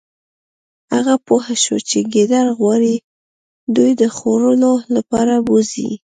هغه پوه شو چې ګیدړ غواړي دوی د خوړلو لپاره بوزي